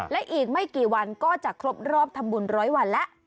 และอีกไม่กี่วันก็จะครบรอบทำบุญร้อยวันแล้ว